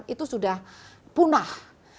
itu sudah punah